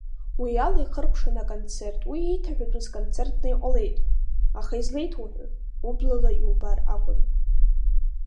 Уи ала ихыркәшан аконцерт уи еиҭаҳәатәыз концертны иҟалеит, аха излеиҭоуҳәои, ублала иубар акәын!